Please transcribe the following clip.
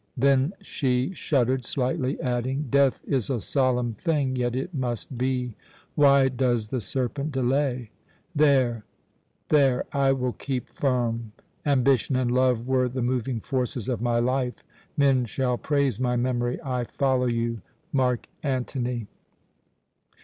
Then she shuddered slightly, adding: "Death is a solemn thing; yet it must be. Why does the serpent delay? There there; I will keep firm. Ambition and love were the moving forces of my life. Men shall praise my memory. I follow you, Mark Antony!"